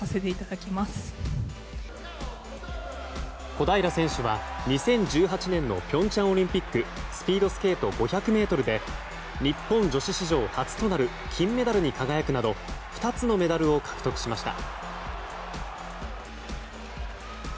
小平選手は２０１８年の平昌オリンピックスピードスケート５００ｍで日本女子史上初となる金メダルに輝くなど２つのメダルを獲得しました。